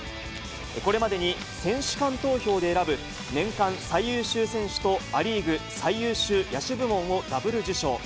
これまでに選手間投票で選ぶ年間最優秀選手と、ア・リーグ最優秀野手部門をダブル受賞。